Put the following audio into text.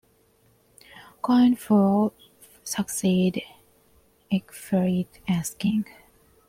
Coenwulf succeeded Ecgfrith as king.